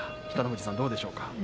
北の富士さん、どうでしょうか。